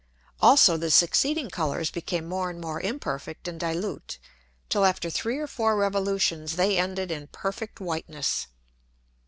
Also the succeeding Colours became more and more imperfect and dilute, till after three or four revolutions they ended in perfect whiteness.